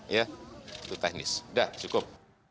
itu teknis udah cukup